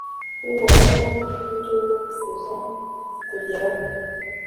uhoraho, induru mvuza ikugereho